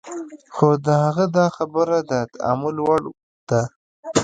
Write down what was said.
خو د هغه دا خبره د تأمل وړ ده.